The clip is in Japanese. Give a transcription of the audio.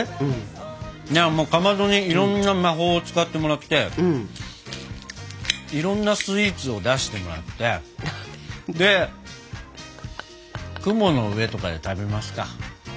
いやかまどにいろんな魔法を使ってもらっていろんなスイーツを出してもらってで雲の上とかで食べますか？